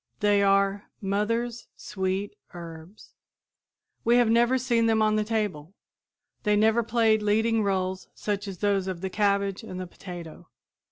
They are "mother's sweet herbs." We have never seen them on the table. They never played leading roles such as those of the cabbage and the potato.